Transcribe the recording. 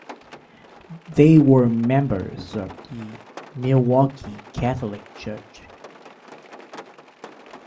They were members of the Milwaukee Catholic Church.